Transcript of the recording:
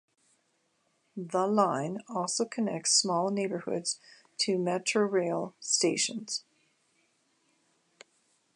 The line also connects small neighborhoods to Metrorail stations.